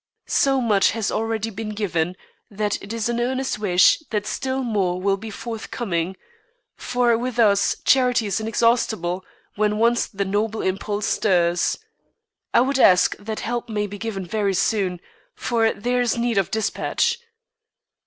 So much has already been given that it is an earnest wish that still more will be forthcoming, for with us charity is inexhaustible when once the noble impulse stirs. I would ask that help may be given very soon, for there is need of dispatch.